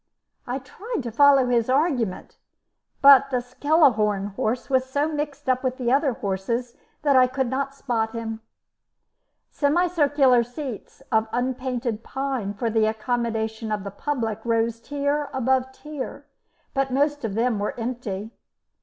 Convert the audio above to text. I tried to follow his argument, but the "Skemelhorne horse" was so mixed up with the other horses that I could not spot him. Semicircular seats of unpainted pine for the accommodation of the public rose tier above tier, but most of them were empty.